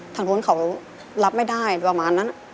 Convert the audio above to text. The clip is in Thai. ทางนู้นเขารับไม่ได้ประมาณนั้น